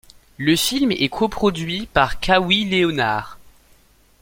Le film est coproduit par Kawhi Leonard.